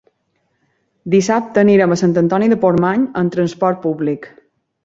Dissabte anirem a Sant Antoni de Portmany amb transport públic.